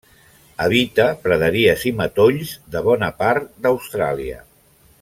Habita praderies i matolls de bona part d'Austràlia.